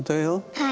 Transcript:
はい。